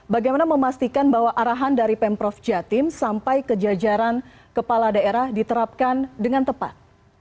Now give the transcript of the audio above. bagaimana memastikan bahwa arahan dari pemprov jatim sampai ke jajaran kepala daerah diterapkan dengan tepat